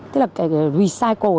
tức là cái recycle